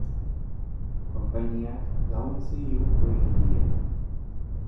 Konpainiak laguntzei uko egin die.